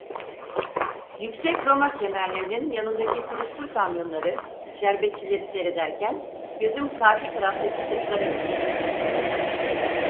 Yüksek Roma kemerlerinin yanındaki külüstür kamyonları, şerbetçileri seyrederken gözüm karşı taraftaki sırtlara ilişti.